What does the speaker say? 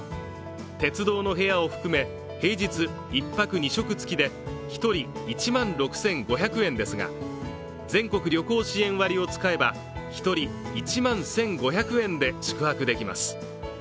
鉄道の部屋を含め、平日１泊２食付きで１人１万６５００円ですが全国旅行支援割を使えば１人１万１５００円で宿泊できます。